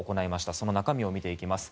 その中身を見ていきます。